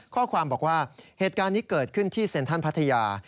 ข้อความบอกว่าเหตุการณ์นี้เกิดขึ้นที่เซ็นทรัลพัทยา